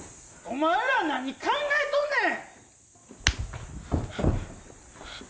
お前ら何考えとんねん！